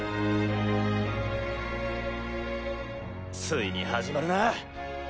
ついに始まるな！